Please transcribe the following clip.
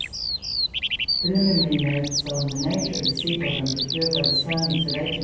[Footnote 8: "Preliminary Notes on the Nature of the Sea bottom procured by the soundings of H.